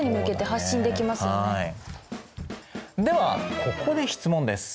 ではここで質問です。